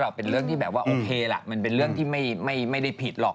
เป็นเรื่องที่แบบว่าโอเคล่ะมันเป็นเรื่องที่ไม่ได้ผิดหรอก